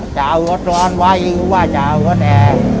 จะเอารถร้อนไว้หรือว่าจะเอารถแอร์